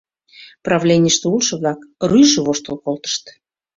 Правленийыште улшо-влак рӱж воштыл колтышт.